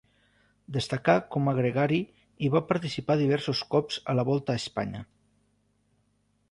Destacà com a gregari i va participar diversos cops a la Volta a Espanya.